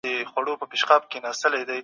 د اختر لمونځونه ادا کړئ.